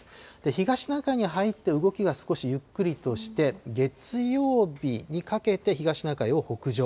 東シナ海に入って動きが少しゆっくりとして、月曜日にかけて東シナ海を北上。